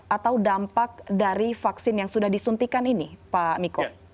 atau dampak dari vaksin yang sudah disuntikan ini pak miko